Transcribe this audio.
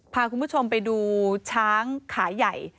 พาคุณผู้ชมไปดูช้างขาใหญ่